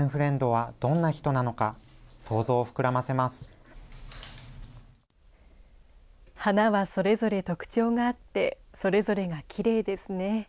「はなはそれぞれとくちょうがあってそれぞれがきれいですね。